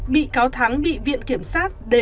bị cáo thắng bị viện kiểm soát